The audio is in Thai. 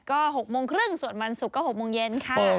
ก็๖โมงครึ่งส่วนวันศุกร์ก็๖โมงเย็นค่ะ